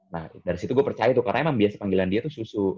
nah dari situ gue percaya tuh karena emang biasanya panggilan dia tuh susu